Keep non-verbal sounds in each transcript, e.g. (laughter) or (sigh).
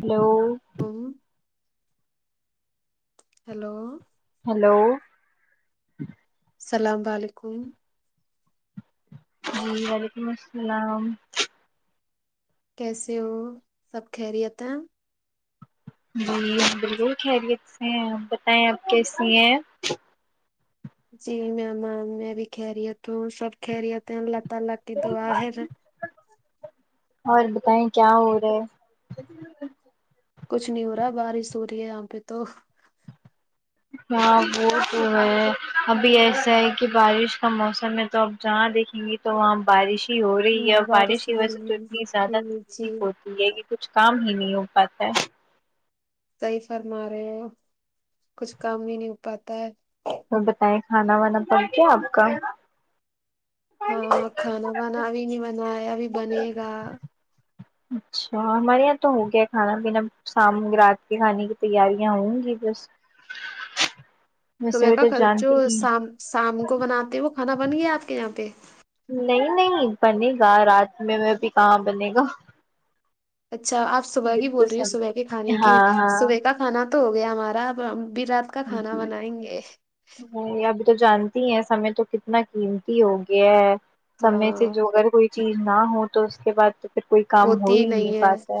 Hello ام hello hello السلام و علیکم جی وعلیکم السلام کیسے ہو سب کہریت ہیں جی بالکل خیریت سے ہیں آپ بتائیں آپ کیسی ہیں جی میںیم میں بھی کہرہیت ہوں سب کہ رہیت ہیں اللہ تعالی کی دعا ہے اور بتائیں کیا ہو رہا ہے (unintelligible) کچھ نہیں ہو رہا ہے بارش ہو رہی ہے یہاں پہ تو ہاں وہ تو ابھی ایسا ہے کہ بارش کا موسم ہے تو آپ جہاں دیکھیں گے تو وہاں بارش ہی ہو رہی ہے ہاں اور بارش کی وجہ مل سے تو اتنی زیادہ رہی جی تکلیف ہوتی یہ کہ کچھ کام ہی نہیں ہو پاتا ہے صحیح فرما رہے ہو کچھ کام ہی نہیں ہو پاتا ہے اور بتائیں کھانا وانا پک گیا آپ کا ہاں کھانا وانا ابھی نہیں بنایا ابھی بنے گا اچھا ہمارے یہاں تو ہو گیا کھانا پینا شام رات کے کھانے کی تیاریاں ہوں گی بس تو ویسے میں بھی کہ کل جو جانتی ہی شام شام کو بناتے وہ کھانا بن گیا آپ کے یہاں پہ نہیں نہیں بنے گا رات میں میں بھی کہاں بنے گا اچھا آپ صبح کی بول تو رہی ہو سب صبح کے کھانے کی ہاں ہاں صبح کا کھانا تو ہو گیا ہمارا اب بھی رات کا کھانا جی بنائیں گے ابھی تو جانتی ہیں سمے تو کتنا قیمتی ہو گیا ہے سمے سے ہاں جو اگر کوئی چیز نہ ہو تو اس کے بعد پھر کوئی کام ہو ہی نہیں پاتا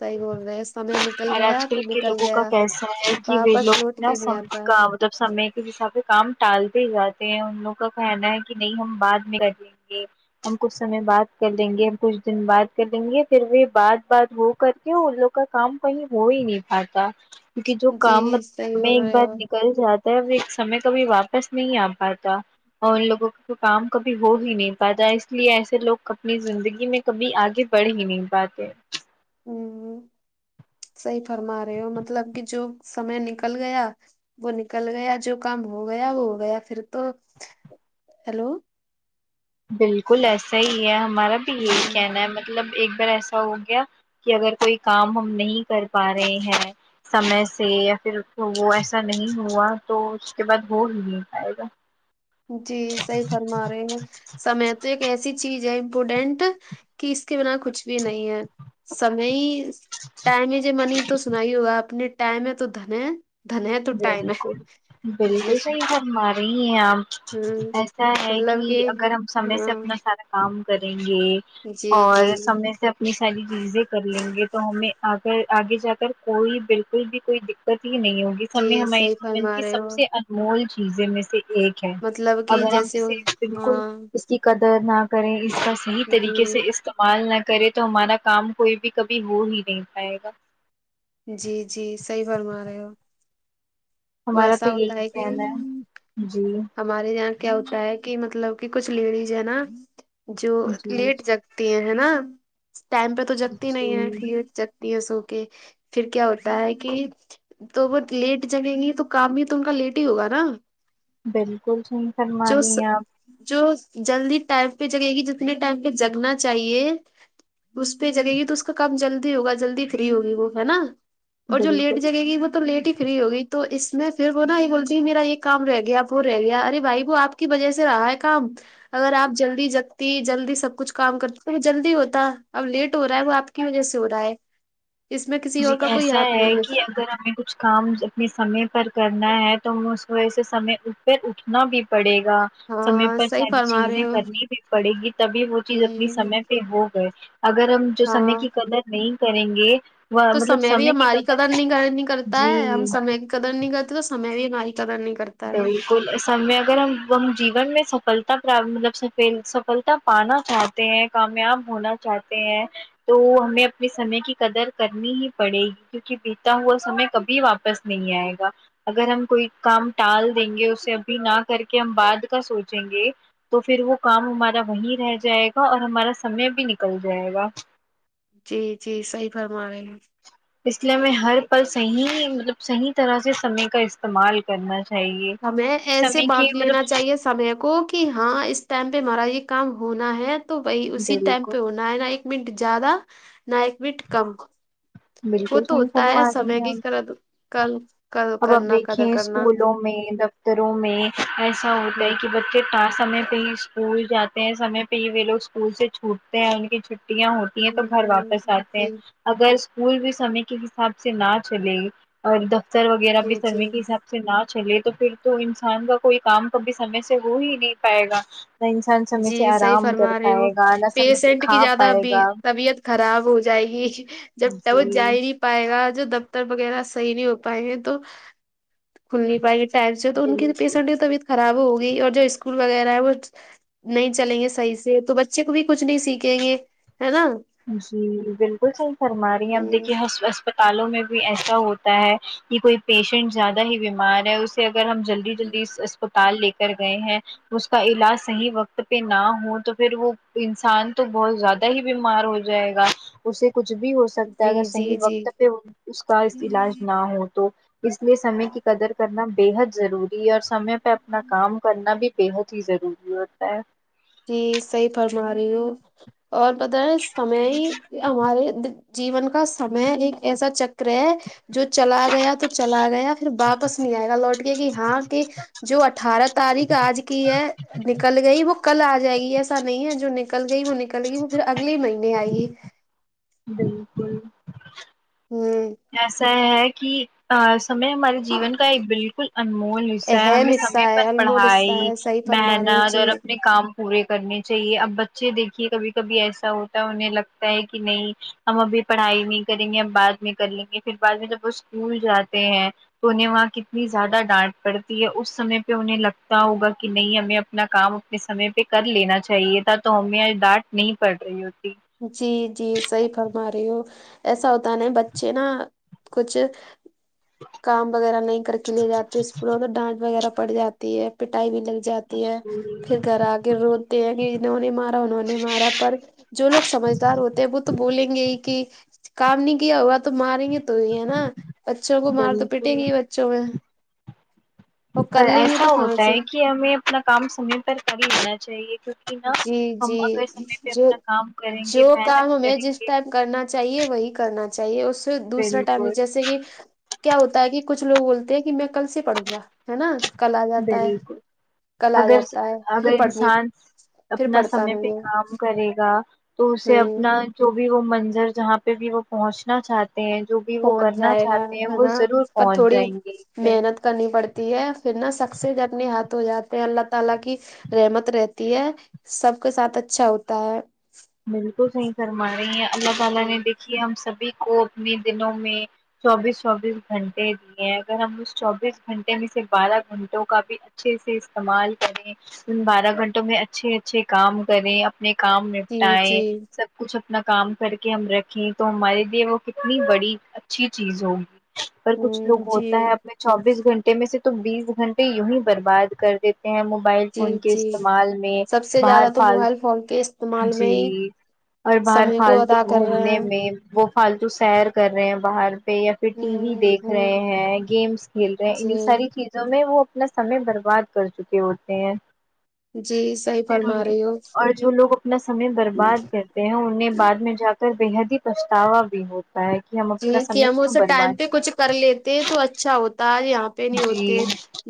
صحیح بول رہے ہیں، سمے نکل اور گیا آج کل تو کے نکل لوگوں کا گیا کیسا ہے کہ وہ واپس لوک لوٹ نا کے نہیں سب آتا کا مطلب سمے کے حساب سے کام ٹالتے جاتے ہیں ان لوگ کا کہنا ہے کہ نہیں ہم بعد میں کرے جی ہم کچھ سمے بات کر لیں گے ہم کچھ دن بات کر لیں گے پھر وہ بات بات ہو کر کیوں ان لوگ کا کام کئی ہوئی نہیں سکتا جی صحیح بول رہے ہو کل جاتا ہے اب ایک سمے کبھی واپس نہیں آ پاتا اور ان لوگوں کام کبھی ہو ہی نہیں پاتا اس لیے ایسے لوگ اپنی زندگی میں کبھی آگے بڑھ ہی نہیں پاتے ہ صحیح فرما رہے ہو مطلب کہ جو سمے نکل گیا وہ نکل گیا جو کام ہو گیا وہ ہو گیا پھر تو ہیلو بالکل ایسا ہی ہے ہمارا بھی یہی ہ کہنا ہے مطلب ایک بار ایسا کیا ہو گیا کہ اگر کوئی کام ہم نہیں کر پا رہے ہیں سمے سے یا پھر وہ ایسا نہیں ہوا تو اس کے بعد ہو ہی نہیں پائے گا جی صحیح فرما رہے ہیں سمے تو ایک ایسی چیز ہے امپورٹینٹ کہ اس کے بنا کچھ بھی نہیں ہے سمے ہی ٹائم ہے ج منی تو سنائی ہوگا اپ نے ٹائم ہے تو دھن ہے دھن ہے تو ٹائم ہے جی ہمارے ہی ہے ہ اپ ایسا ہے کہ اگر ہم سمے سے ہاں اپنا سارا کام کریں گے جی جی اور سمے سے یہ ساری چیزیں کر لیں گے تو ہمیں آگر آگے جا کر کوئی بلکل بھی کوئی دیک ہی نہیں ہوگی سمے جی ہمیں ہمارے صحیح جین فرما کی رہے سب ہو سے انمول چیزیں میں سے ایک مطلب کہ اگر ہم جیسے اسے وہ- بلکل ہاں کی قدر نہ کریں اس کا صحیح طریقے جی سے اس کا مال نہ کرے تو ہمارا کام کوئی بھی کبھی ہو ہی نہیں پائے گا جی جی صحیح فرما رہے ہو وہ ہمارا تو ایسا ہوتا یہی ہے کہنا کہ ہے جی ہمارے یہاں کیا ہوتا ہے کہ مطلب کہ کچھ لیڈیز ہے نا جو جی لیٹ جگ تی ہے نا ٹائم پہ تو جگتی نہیں ہے جی پھر جک پیس او کے پھر کیا ہوتا ہے کہ تو وہ لیٹ جگیں گے تو کام بھی تو ان کا لیٹ ہی ہوگا نا بلکل صحی جو اس جو جلدی ٹائم پہ جگے گی جتنے ٹائم پہ جگنا چاہیے اس پہ جگے گی تو اس کا کام جلدی ہوگا جلدی فری ہوگی وہ ہے نا اور جو لیٹ بالکل جگے گی وہ تو لیٹ ہی فری ہوگی تو اس میں پھر وہ نا یہ بولتی میرا یہ کام رہ گیا اپ وہ رہ گیا ارے بھائی وہ آپ کی وجہ سے رہا ہے کام اگر آپ جلدی جگتی جلدی سب کچھ کام کرتی تو جلدی ہوتا اب لیٹ ہو رہا ہے وہ آپ کیا وجھ سے ہورہا ہے اس میں کسی جی اور کا کوئی ایسا ہاتھ ہے نہیں کہ اگر ہمیں کچھ کچھ کام اپنے سمے پر کرنا ہے تو اس وجہ سے سمے پر اٹھنا بھی پڑے گا سمے ہاں پر صحیح ساری فرما رہے چیزیں ہو کرنی بھی پڑے گی تبھی وہ چیز اپنی ہ سمے پہ ہو گئے اگر ہم جو سمے ہاں کی قدر نہیں کریں گے وہ تو مطلب سمے بھی کی ہماری قدر نہیں ک نہیں کرتا ہے ہم جی سمے قدر نہیں کرتے تو سمے بھی ہماری قدر نہیں کرت تو سب میں اگر ہم جیون میں سفلتا پراب صافے سفلتا پانا تھا تے ہیں کامیاب ہونا چاہتے ہیں تو ہمیں اپنے سمے کی قدر کرنی ہی پڑے گی کیوںکہ بیتا ہوا سمے کبھی واپس نہیں آئے گا اگر ہم کوئی کام ٹال دیں گے اسے ابھی نہ کر کے ہم بعد کا سوچیں گے تو پھر وہ کام ہمارا وہیں رہ جائے گا اور ہمارا سمے بھی نکل جائے گا جی جی صحیح فرمایں اس لیے میں ہر پل صحیح مطلب صحیح طرح سے سمے کا است استعمال کرنا چاہیے ہمیں ایسے سمے کی بانٹ مطلب لینا چاہیے سمے کو کہ ہاں اس ٹائم پہ ہمارا یہ کام ہونا ہے تو وہی اسی ٹائم بالکل پہ ہونا نہ نہ ایک منٹ جیادہ نہ ایک منٹ کم وہ بلکل تو صحیح ہوتا فرمایا رہی سمے ہے کی ہیں کرد کل کل اپ اب اپ کرنا قدر دیکھے کرنا اسکولوں میں دوا روں میں ایسا ہوتا ہ ہے کہ بچے ا سمے پہ ہی اسکول جاتے ہیں سمے پہ ہی وہ لوگ اسکول سے چھوٹتے ہیں ان کی چ چھٹیاں ہوتی ہیں تو گھر واپس آتے ہیں جی اگر کوئی بھی سمے کے حساب سے نہ چلے اور دفتر وغیرہ بھی جی جی سمے کے حساب سے نہ چلے تو پھر تو انسان کا کوئی کام کبھی سمے سے ہو ہی نہیں پائے گا نہ نہ سمے سے جی صحیح آرام کر فرما رہے ہو پائے گا نہ سمے سے کھا پائے گا کھراب ہو جائے گی جب تواج جی جائے ری پائے گا جو دفتر وغیرہ صحیح نہیں ہو پائیں گے تو کھل نہیں پائیں گے ٹیپ سے تو ان کی بالکل پیشنٹ کی طبیعت خراب ہوگی اور جو اسکول وغیرہ ہے وہ نہیں چلیں گے صحیح سے تو بچے کو بھی کچھ نہیں سیکھیں گے ہے نا جی بلکل صحیح فرما رہی ہیں اپ ہ دیکھیے حس بس اسپتالوں میں بھی ایسا ہوتا ہے کہ کوئی پیشنٹ زیادہ ہی بیمار ہے اسے اگر ہم جل جلدی جلدی اسپتال لے کر گئے ہیں اس کا علاج صحیح وقت پہ نہ ہو تو پھر وہ انسان تو بہت زیادہ ہی بیمار مار ہو جائے گا اسے کچھ بھی ہو سکتا ہے اگر جی جی صحیح جی وقت پہ ہو اس کا علاج نہ ہو تو اس لیے سمے کی قدر کرنا بےحد ضروری ہے اوس سمے پہ اپنا کام کرنا بھی بےحد ہی ضروری ہوتا ہے جی صحیح فرما رہی ہوں اور پتہ ہے سمے ہی ہمارے جیون کا سمے ایک ایسا چکر ہے جو چلا گیا تو چلا گیا پھر واپس نہیں آئے گا لوٹ کہ ہاں کہ جو اٹھارہ تاریخ آج کی ہے نکل گئی وہ کل آ جائے گی ایسا نہیں ہے جو نکل گئی وہ نکل گی وہ پھر اگلے مہینے ہی آئے گی بلکل ہمم ایسا ہے کہ ا سمے ہمارے جیون کا ایک بلکل انمول حصہ ہے اہم ہمیں حصہ سمے پر ہے انمول حصہ پڑھائی ہے صحیح فرما رہے ہو محنت اور جی اپنے کام پورے کرنے چاہیے اب بچے دیکھیے کبھی کبھی ایسا ہوتا ہے انہیں لگتا ہے کہ نہیں ہم ابھی پڑھائی نہیں کریں گے ہم بعد میں کر لیں گے پھر بعد میں جب وہ اسکول جاتے ہیں تو انہیں وہاں کتنی زیادہ ڈانٹ پڑتی ہے اس سمے پہ انہیں لگتا ہوگا کہ نہیں ہمیں اپنا کام اپنے سمے پہ کر لینا چاہیے تھا تو ہمیں آج ڈانٹ نہیں پڑ رہی ہوتی جی جی صحیح فرما رہی ہو ایسا ہوتا نہیں بچے نا کچھ کام وغیرہ نہیں کر کے لے جاتے اس پ ڈانٹ وغیرہ پڑ جا تی ہے پٹائی بھی لگ جاتی ہے پھر گھر آ کے رو تے نے انہوں نے مارا انہوں نے مارا پر جو لوگ سمجھدار ہوتے ہیں وہ تو بولیں گے ہی کہ کام نہیں کیا ہوا تو ماریں گے تو ہی ہے نا بچوں کو مار تو پیٹیں گی بچوں میں وہ کر پر لیں گے ایسا تو کہاں ہوتا سے ہے کہ ہمیں اپنا کام سمے پر کر لینا چاہیے کیوں کہ جی جی جو کام کریں جو گے محنت کام ہمیں کریں جس گے ٹائم کرنا چاہیے وہی کرنا چاہیے اس سے دوسرا ٹائم بالکل جیسے کہ کیا ہوتا ہے کہ کچھ لوگ بولتے ہیں کہ میں کل سے پڑوں گا ہے نا کل آ جاتا ہے بالکل کل آ اگر جاتا ہے پھر اگر پڑھنی انسان پھر اپنا پڑھتا سمے پہ نہیں کام کرے گا تو اسے ہے ہ اپنا جو بھی وہ منظر جہاں پہ بھی وہ پہنچنا چاہت جو بھی وہ پہنچ کرنا جائے گا چاہتے ہیں ہے وہ نا ضرور پر پہنچ تھوڑی جائیں گے چ محنت کرنی پڑتی ہے پھر نا سکسیس اپنے ہاتھ ہو جاتے ہیں اللہ تعالی کی رحمت رہتی ہے سب کے ساتھ اچھا ہوتا ہے بالکل صحیح فرما رہی ہیں اللہ تعالی ہ نے دیکھیے ہم سبھی کو اپنے دلوں میں چوبیس چوبیس گھنٹے دیے اگر ہم اس چوبیس گھنٹے میں سے بارہ گھنٹوں کا بھی اچھے سے استعمال کریں ان بارہ گھنٹوں میں اچھے اچھے کام کریں اپنے کام میں جی ٹائے جی سب کچھ اپنا کام کر کے ہم رکھیں تو ہمارے لیے وہ کتنی بڑی اچھی چیز ہوگی اور کچھ ہ لوگ جی ہوتا ہے اپنے چوبیس گھنٹے میں سے تو بیس گھنٹے یوں ہی برباد کر دیتے موبائل فون جی کے جی استعمال میں سب سے باہر زیادہ تو موبائل فالتو فون کے استم جی اور باہر فالتو ادا کر رہے گھومنے ہیں میں وہ فالتو سیر کر رہے ہیں باہر پہ یا پھر ٹی وی ہ دیکھ رہے ہ ہیں گیمس کھیل رہے ہیں انہیں ساری جی چیزیں وہ اپنا سمے برباد کر چکے ہوتے ہیں جی صحیح پھر فرما انہیں رہی ہو اور جو لوگ اپنا سمے برباد کرتے ہیں انہیں بعد میں جا کر بے حد ہی پچھتاوا بھی ہوتا ہے کہ ہم اپنا جی کہ سمے ہم کیوں اس برباد ٹائم پہ کچھ کیا۔ کر لیتے تو اچھا ہوتا ہے آج یہاں پہ نہیں جی ہوتے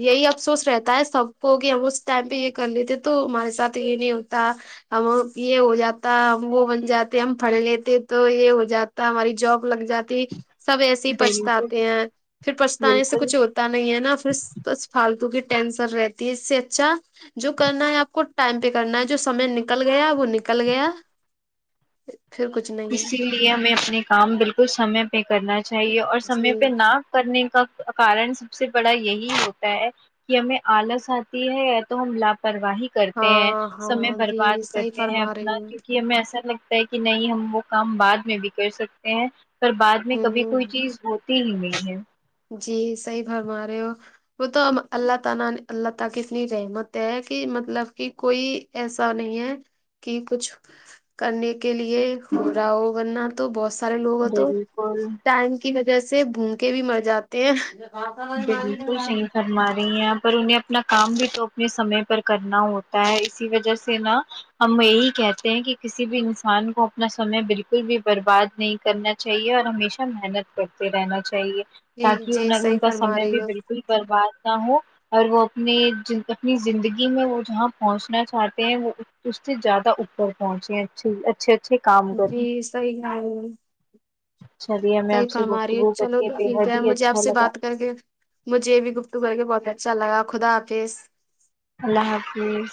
یہی افسوس رہتا ہے سب کو کہ ہم اس ٹائم پہ یہ کر لیتے تو ہمارے ساتھ یہ نہیں ہوتا ہم یہ ہو جاتا ہم وہ بن جاتے ہم پڑھ لیتے تو یہ ہو جاتا ہماری جاب لگ جاتی سب ایسے ہی بالکل پچھتاتے ہیں پھر پچھتانے سے کچھ ہو تا نہیں ہے نا پھر بس فالتو کی ٹینسن رہتی ہے اس سے اچھا جو کرنا ہے آپ کو ٹائم پہ کرنا ہے جو سمے نکل گیا وہ نکل گیا پھر کچھ نہیں اسی ہمیں اپنے کام بالکل سمے پہ کرنا چاہیے اور سمے جی پہ نہ کرنے کا کارن سب سے بڑا یہی ہوتا ہے کہ ہمیں آلس آتی ہے یا تو ہم لاپرواہی کرتے ہیں ہاں سمے ہاں جی برباد صحیح کرتے ہیں فرما اپنا رہی ہوں کیونکہ ہمیں ایسا لگتا کہ نہیں ہم وہ کام بعد میں بھی کر سکتے ہیں پر بعد میں کبھی کوئی ہوں چیز ہو (unintelligible) جی صحیح فرما رہے ہو وہ تو اب اللہ تعالی اللہ تعالی کی اتنی رحمت ہے کہ مطلب کہ کوئی ایسا نہیں ہے کہ کچھ کرنے کے لیے ہو رہا ہو ورنہ تو بہت سارے لوگ ہوتے ہیں تو بالکل ٹائم کی وجہ سے بھوکے کے بھی مر جاتے ہیں بالکل صحیح فرما رہی ہیں آپ پر انہیں اپنا کام بھی تو اپنے سمے پر کرنا ہوتا ہے اسی وجہ سے نا ہم یہی کہتے ہیں کہ کسی بھی انسان کو اپنا سمے بالکل بھی برباد نہیں کرنا چاہیے اور ہمیشہ محنت کرتے رہنا چاہیے جی تاکہ جی انہیں صحیح ان کا فرما سمے بھی رہی ہو بالکل برباد نہ ہو اور وہ اپنی جندگی زندگی میں وہ جہاں پہنچنا چاہتے ہیں وہ اس سے زیادہ اوپر پہنچے اچھی اچھے اچھے کام کریں جی صحیح چلیے ہمیں صحیح آپ سے فرمارہی ہے گفتگو کر چلو کے تو بے ٹھیک حد ہے ہی مجھے آپ اچھا سے لگا بات کر کے مجھے یہ بھی گفتگ کر کے بہت اچھا لگا خدا حاظ اللہ حافظ